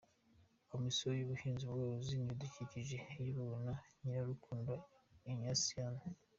Komisiyo y’Ubuhinzi, Ubworozi n’Ibidukikije; iyobowe na Nyirarukundo Ignacienne.